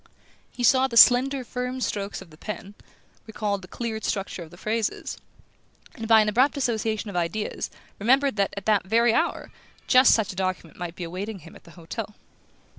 He saw the slender firm strokes of the pen, recalled the clear structure of the phrases, and, by an abrupt association of ideas, remembered that, at that very hour, just such a document might be awaiting him at the hotel.